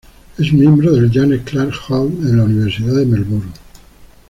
Es miembro del Janet Clarke Hall en la Universidad de Melbourne.